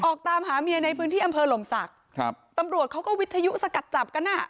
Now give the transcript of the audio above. ออกตามหาเมียในพื้นที่อำเภอหลมศักดิ์ครับตำรวจเขาก็วิทยุสกัดจับกันอ่ะ